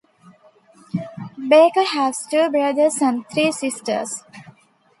Baker has two brothers and three sisters.